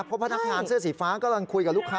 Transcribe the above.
พวกพนักงานเสื้อสีฟ้าก้อรัยคุยกับลูกค้า